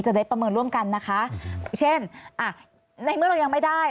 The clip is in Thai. ได้ประเมินร่วมกันนะคะเช่นอ่ะในเมื่อเรายังไม่ได้